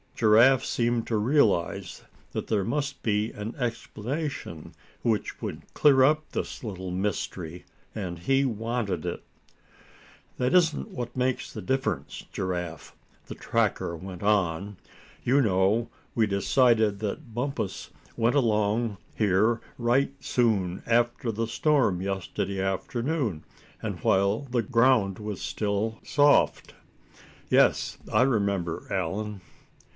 Giraffe seemed to realize that there must be an explanation which would clear up this little mystery, and he wanted it. "That isn't what makes the difference, Giraffe," the tracker went on. "You know, we decided that Bumpus went along here right soon after the storm yesterday afternoon, and while the ground was still soft?" "Yes, I remember, Allan."